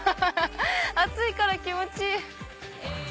暑いから気持ちいい！